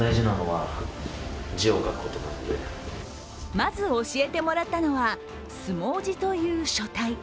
まず教えてもらったのは相撲字という書体。